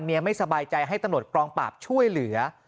เมียไม่สบายใจให้ตระหนดกรองปราบช่วยเหลือ